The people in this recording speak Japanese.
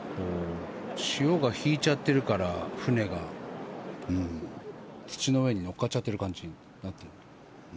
潮が引いちゃってるから船が土の上に乗っかっちゃってる感じになってる。